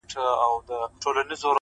لږه دورې زيارت ته راسه زما واده دی گلي!!